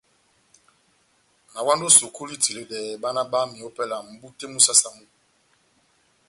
Nawandi ó sukulu itiledɛ bána bámi ópɛlɛ mʼbú tɛ́h mú saha-saha.